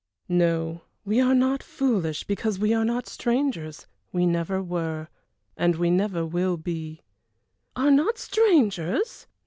"No, we are not foolish because we are not strangers we never were and we never will be." "Are not strangers